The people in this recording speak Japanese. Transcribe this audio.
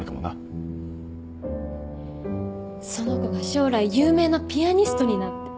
その子が将来有名なピアニストになって。